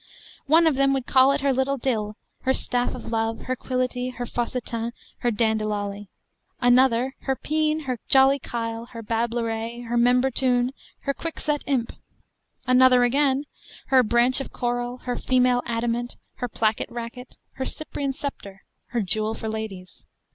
One of them would call it her little dille, her staff of love, her quillety, her faucetin, her dandilolly. Another, her peen, her jolly kyle, her bableret, her membretoon, her quickset imp: another again, her branch of coral, her female adamant, her placket racket, her Cyprian sceptre, her jewel for ladies.